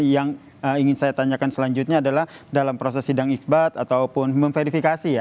yang ingin saya tanyakan selanjutnya adalah dalam proses sidang iqbal ataupun memverifikasi ya